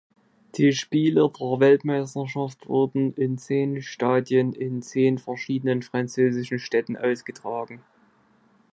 Die Spiele der Weltmeisterschaft wurden in zehn Stadien in zehn verschiedenen französischen Städten ausgetragen.